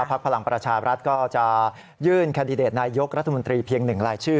พลังประชาบรัฐก็จะยื่นแคนดิเดตนายกรัฐมนตรีเพียง๑รายชื่อ